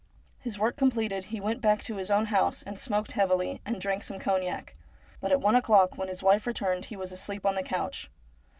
His work completed he went back to his own house, and smoked heavily, and drank some cognac. But at one o'clock, when his wife returned, he was asleep on the couch.